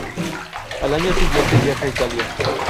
Al año siguiente viaja a Italia.